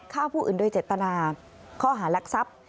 ฆ่าผู้อื่นโดยเจตนาข้อหารักทรัพย์